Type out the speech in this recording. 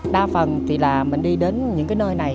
đa phần thì là mình đi đến những cái nơi này